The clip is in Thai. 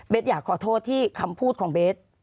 อยากขอโทษที่คำพูดของเบส